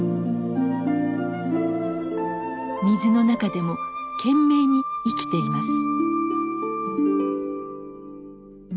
水の中でも懸命に生きています。